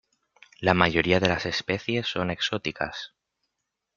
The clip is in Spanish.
La mayoría de las especies son exóticas.